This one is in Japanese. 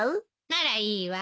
ならいいわ。